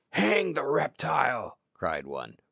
"Hang the reptile!" cried one.